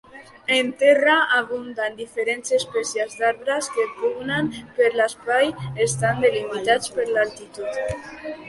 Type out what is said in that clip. En terra abunden diferents espècies d'arbres que pugnen per l'espai estan delimitats per l'altitud.